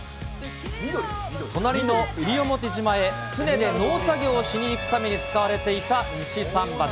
隣の西表島へ、船で農作業をしに行くために使われていた西桟橋。